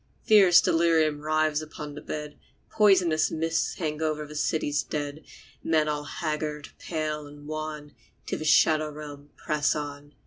Fierce delirium writhes upon the bed Poisonous mists hang o'er the cities dead; Men all haggard, pale, and wan, To the shadow realm press on.